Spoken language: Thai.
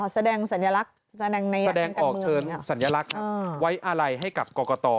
อ๋อแสดงสัญลักษณ์แสดงนัยการการมือแสดงออกเชิญสัญลักษณ์ไว้อะไรให้กับกรกต